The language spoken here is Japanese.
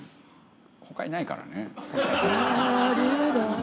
他いないからね